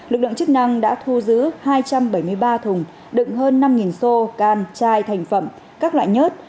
lực lượng chức năng đã thu giữ hai trăm bảy mươi ba thùng đựng hơn năm xô can chai thành phẩm các loại nhớt